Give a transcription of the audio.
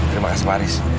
terima kasih pak aris